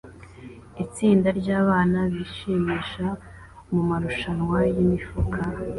Itsinda ryabana bishimisha mumarushanwa yimifuka